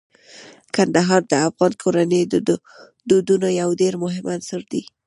کندهار د افغان کورنیو د دودونو یو ډیر مهم عنصر دی.